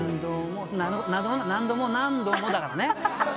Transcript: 「何度も何度も」だからね。